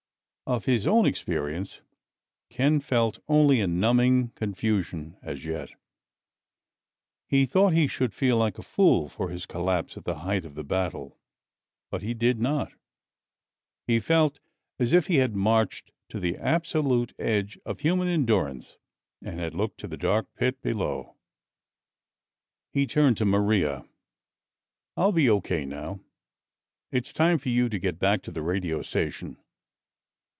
Of his own experience Ken felt only a numbing confusion as yet. He thought he should feel like a fool for his collapse at the height of the battle, but he did not. He felt as if he had marched to the absolute edge of human endurance and had looked to the dark pit below. He turned to Maria. "I'll be okay now. It's time for you to get back to the radio station.